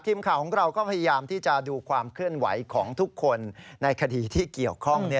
ทีมข่าวของเราก็พยายามที่จะดูความเคลื่อนไหวของทุกคนในคดีที่เกี่ยวข้อง